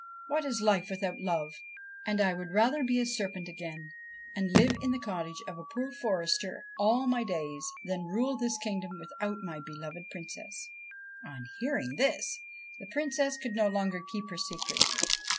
What is life without love? and I would rather be a serpent again, and live in the cottage of a poor forester all my days, than rule this kingdom without my beloved Princess.' On hearing this the Princess could no longer keep her secret.